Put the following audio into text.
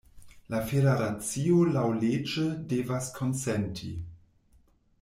La Federacio laŭleĝe devas konsenti.